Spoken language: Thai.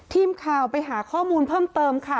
ทีมข่าวไปหาข้อมูลเพิ่มเติมค่ะ